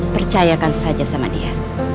percayakan saja sama dia